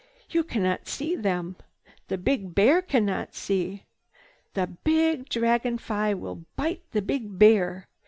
You cannot see them. The big bear cannot see. The big Dragon Fly will bite the big bear.